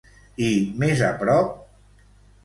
I més a prop?